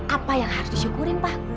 apa yang harus disyukurin pak